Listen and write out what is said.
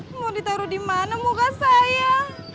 mau ditaruh di mana muka saya